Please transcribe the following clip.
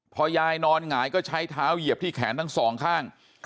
พอยายนอนหงายก็ใช้เท้าเหยียบที่แขนทั้งสองข้าง